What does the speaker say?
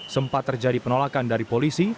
sempat terjadi penolakan dari polisi